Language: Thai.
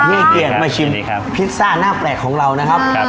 ให้เกียรติมาชิมพิซซ่าหน้าแปลกของเรานะครับ